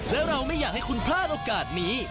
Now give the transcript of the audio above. และเราไม่อยากให้คุณพลาดโอกาสนี้